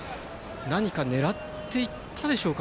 何か狙っていったでしょうか。